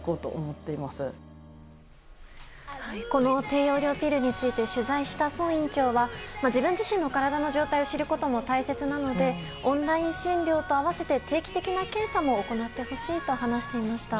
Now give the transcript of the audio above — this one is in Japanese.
低用量ピルについて取材した栄院長は自分自身の体の状態を知ることも大切なのでオンライン診療と併せて定期的な検査も行ってほしいと話していました。